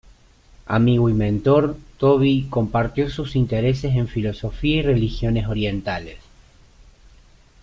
Amigo y mentor, Tobey compartió sus intereses en filosofía y religiones orientales.